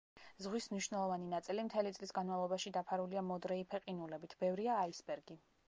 ზღვის მნიშვნელოვანი ნაწილი მთელი წლის განმავლობაში დაფარულია მოდრეიფე ყინულებით, ბევრია აისბერგი.